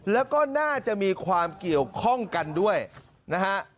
แล้วก็น่าจะมีความเกี่ยวข้องกันด้วยนะฮะ